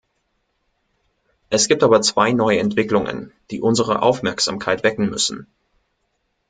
Es gibt aber zwei neue Entwicklungen, die unsere Aufmerksamkeit wecken müssen.